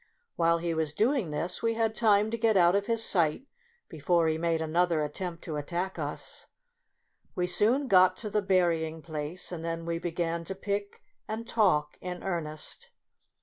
When he was doing this, we had time to get out of his sight before he made another attempt to attack us. We soon got to the berrying place, and then we began to pick and talk in earnest.